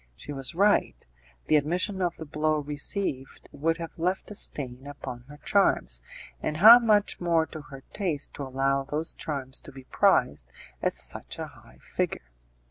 She was right; the admission of the blow received would have left a stain upon her charms, and how much more to her taste to allow those charms to be prized at such a high figure!